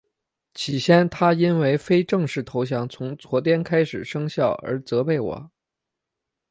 起先他因为非正式投降从昨天开始生效而责备我。